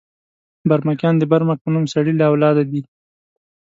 برمکیان د برمک په نوم سړي له اولاده دي.